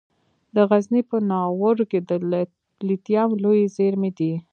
د غزني په ناوور کې د لیتیم لویې زیرمې دي.